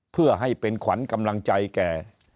เพื่อให้เป็นขวัญกำลังใจแก่